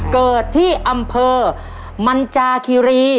เกิดที่อำเภอมันจาคิรี